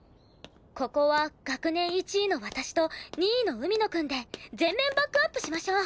ここは学年１位の私と２位の海野くんで全面バックアップしましょう。